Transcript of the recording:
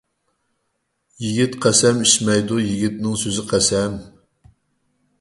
يىگىت قەسەم ئىچمەيدۇ، يىگىتنىڭ سۆزى قەسەم.